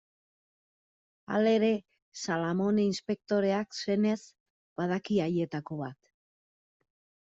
Halere, Salamone inspektoreak, senez, badaki haietako bat.